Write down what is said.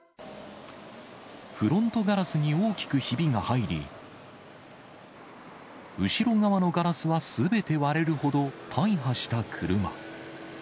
フロントガラスに大きくひびが入り、後ろ側のガラスはすべて割れるほど大破した車。